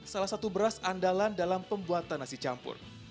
salah satu beras andalan dalam pembuatan nasi campur